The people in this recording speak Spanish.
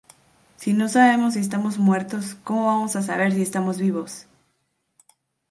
Si no sabemos si estamos muertos, ¿cómo vamos a saber si estamos vivos?